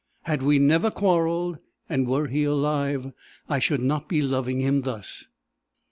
Had we never quarrelled, and were he alive, I should not be loving him thus!